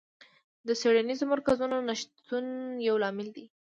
د څېړنیزو مرکزونو نشتون یو لامل دی.